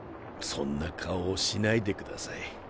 そんな顔をしないでください。